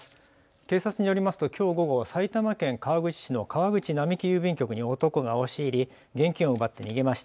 警察によりますときょう午後、埼玉県川口市の川口並木郵便局に男が押し入り現金を奪って逃げました。